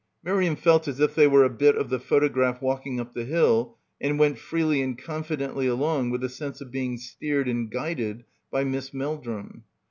Miriam felt as if they were a bit of the photo graph walking up the hill, and went freely and confidently along with a sense of being steered and guided by Miss Meldrum.